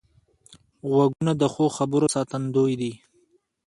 غوږونه د ښو خبرو ساتندوی دي